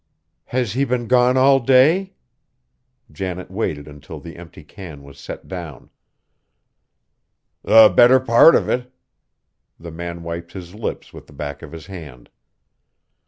"Has he been gone all day?" Janet waited until the empty can was set down. "The better part of it." The man wiped his lips with the back of his hand.